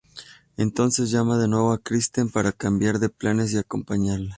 Entonces llama de nuevo a Kristen para cambiar de planes y acompañarla.